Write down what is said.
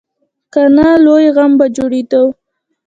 که نه، لوی غم به جوړېدو.